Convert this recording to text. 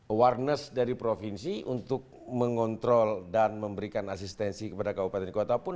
awareness dari provinsi untuk mengontrol dan memberikan asistensi kepada kabupaten kota pun